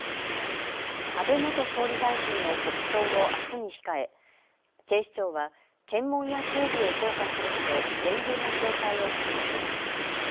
安倍元総理大臣の国葬をあすに控え、警視庁は検問や警備を強化するなど厳重な警戒を続けています。